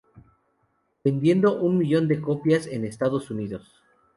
Vendiendo un millón de copias en Estados Unidos,